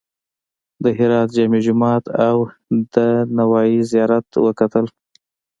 د هرات جامع جومات او د نوایي زیارت وکتل.